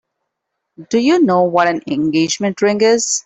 Do you know what an engagement ring is?